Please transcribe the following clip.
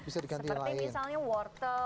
seperti misalnya wortel